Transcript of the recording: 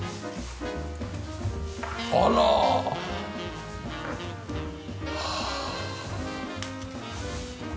あら！はあ。